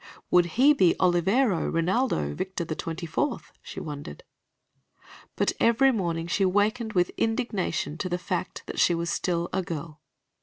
Would he be Olivero Rinaldo Victor the Twenty fourth, she wondered? But every morning she wakened with indignation to the fact that she was still a girl.